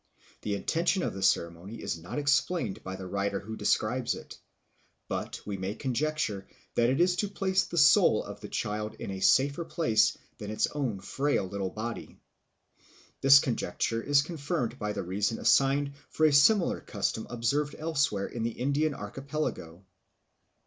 The intention of the ceremony is not explained by the writer who describes it, but we may conjecture that it is to place the soul of the child in a safer place than its own frail little body. This conjecture is confirmed by the reason assigned for a similar custom observed elsewhere in the Indian Archipelago.